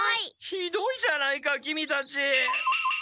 ひどいじゃないかキミたち。